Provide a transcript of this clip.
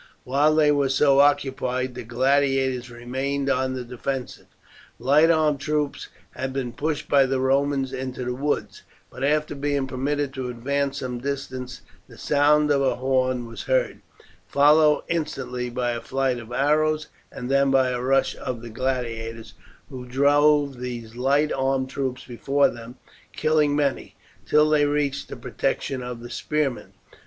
While they were so occupied the gladiators remained on the defensive. Light armed troops had been pushed by the Romans into the woods, but after being permitted to advance some distance the sound of a horn was heard, followed instantly by a flight of arrows, and then by a rush of the gladiators, who drove these light armed troops before them, killing many, till they reached the protection of the spearmen.